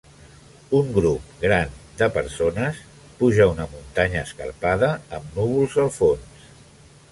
Un grup gran de persones puja una muntanya escarpada amb núvols al fons.